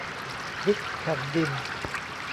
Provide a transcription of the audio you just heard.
พลิกแผ่นดิน